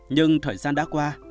nhưng thời gian đã qua